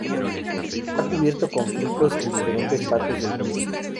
Ha cubierto conflictos en diferentes partes del mundo.